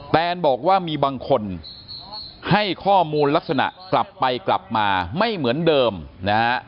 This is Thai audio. แนนบอกว่ามีบางคนให้ข้อมูลลักษณะกลับไปกลับมาไม่เหมือนเดิมนะฮะ